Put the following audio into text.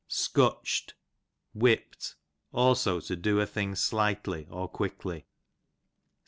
Scutcht, whipp'd ; also to do a thing slightly, or quickly.